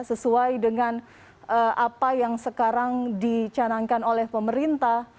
sesuai dengan apa yang sekarang dicanangkan oleh pemerintah